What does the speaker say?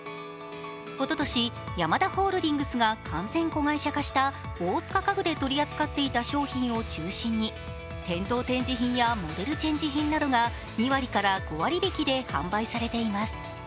おととし、ヤマダホールディングスが完全子会社化した大塚家具で取り扱っていた商品を中心に、店頭展示品やモデルチェンジ品などが２割から５割引で販売されています。